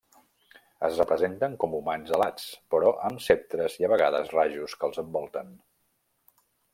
Es representen com humans alats però amb ceptres i a vegades rajos que els envolten.